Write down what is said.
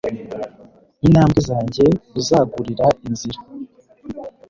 intambwe zanjye uzagurira inzira